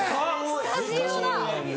スタジオだ！